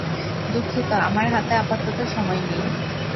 দুঃখিত, আমার হাতে আপাতত সময় নেই!